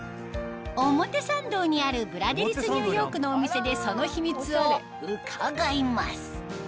表参道にあるブラデリスニューヨークのお店でその秘密を伺います